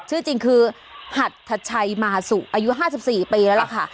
ชื่อจริงคือหัทชัยมาสุอายุ๕๔ปีแล้วล่ะค่ะ